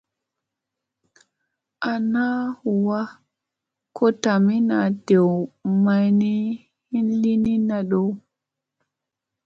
Aŋ han huwa ko tami naa tew mayni hin li ni na dow.